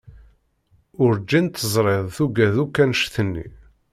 Urǧin tt-ẓriɣ tuggad akk anect-nni.